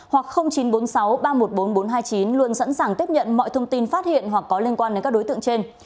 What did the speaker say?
hoặc chín trăm bốn mươi sáu ba trăm một mươi bốn nghìn bốn trăm hai mươi chín luôn sẵn sàng tiếp nhận mọi thông tin phát hiện hoặc có liên quan đến các đối tượng trên